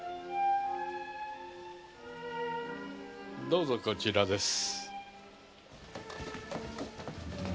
どうぞこちらです。